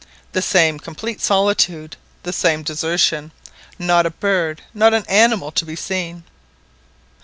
The same complete solitude, the same desertion, not a bird, not an animal to be seen.